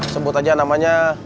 sebut aja namanya